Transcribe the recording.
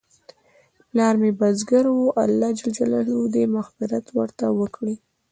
پلار مې بزګر و، الله ج دې مغفرت ورته وکړي